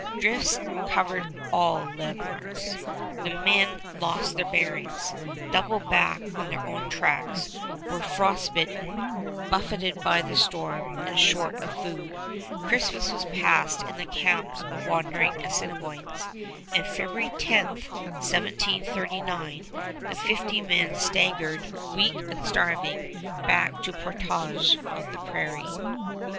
Drifts covered all landmarks. The men lost their bearings, doubled back on their own tracks, were frost bitten, buffeted by the storm, and short of food. Christmas was passed in the camps of wandering Assiniboines, and February 10, 1739, the fifty men staggered, weak and starving, back to the Portage of the Prairie.